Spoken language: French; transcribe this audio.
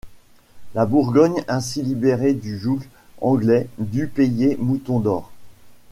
La Bourgogne ainsi libérée du joug anglais dut payer moutons d'or.